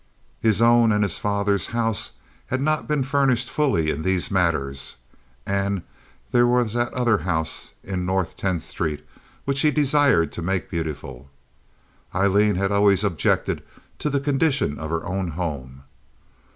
His own and his father's house had not been furnished fully in these matters, and there was that other house in North Tenth Street, which he desired to make beautiful. Aileen had always objected to the condition of her own home.